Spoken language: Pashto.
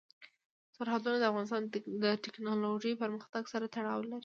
سرحدونه د افغانستان د تکنالوژۍ پرمختګ سره تړاو لري.